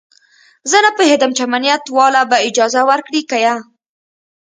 زه نه پوهېدم چې امنيت والا به اجازه ورکړي که يه.